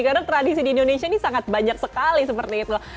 karena tradisi di indonesia ini sangat banyak sekali seperti itu